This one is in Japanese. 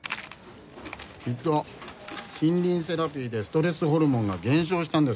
きっと森林セラピーでストレスホルモンが減少したんですよ。